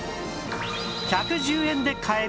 １１０円で買える！